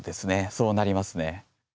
そうなりますね。